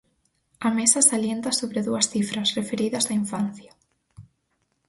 A Mesa salienta sobre dúas cifras, referidas á infancia.